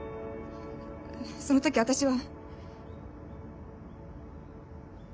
その時私は。